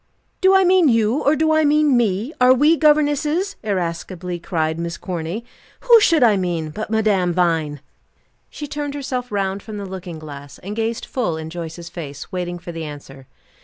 "Do I mean you, or do I mean me? Are we governesses?" irascibly cried Miss Corny. "Who should I mean, but Madame Vine?" She turned herself round from the looking glass, and gazed full in Joyce's face, waiting for the answer.